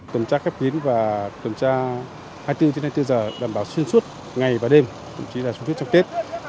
tuần tra khép kín và tuần tra hai mươi bốn h hai mươi bốn h đảm bảo xuyên suốt ngày và đêm đồng chí là trong tuyết trong tết